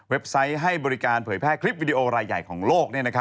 ไซต์ให้บริการเผยแพร่คลิปวิดีโอรายใหญ่ของโลก